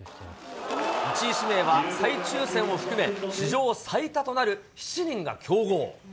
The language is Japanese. １位指名は再抽せんを含め、史上最多となる７人が競合。